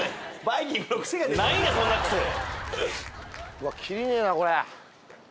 うわキリねぇなこれ。